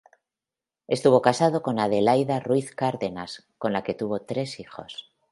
Estuvo casado con Adelaida Ruiz Cárdenas, con la que tuvo tres hijos.